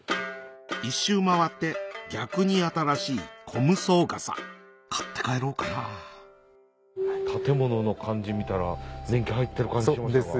一周回って逆に新しい虚無僧笠買って帰ろうかな建物の感じ見たら年季入ってる感じしましたが。